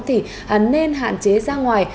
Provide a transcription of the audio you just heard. thì nên hạn chế ra ngoài